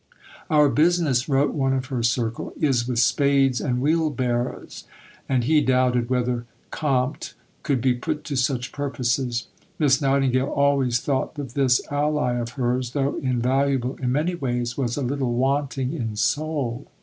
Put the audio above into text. "Our business," wrote one of her circle, "is with spades and wheelbarrows," and he doubted whether "Compte" could be put to such purposes. Miss Nightingale always thought that this ally of hers, though invaluable in many ways, was a little wanting in soul.